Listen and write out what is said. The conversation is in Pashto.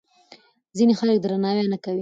ځینې خلک درناوی نه کوي.